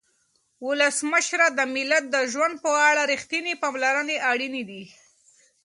ولسمشره د ملت د ژوند په اړه رښتینې پاملرنه اړینه ده.